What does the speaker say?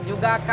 stnk apa kak